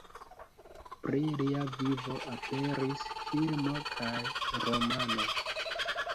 Pri lia vivo aperis filmo kaj romano.